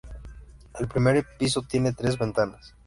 El primer piso tiene tres ventanas.